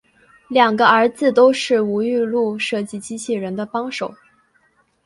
两个儿子都是吴玉禄设计机器人的帮手。